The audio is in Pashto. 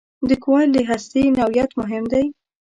د کوایل د هستې نوعیت مهم دی.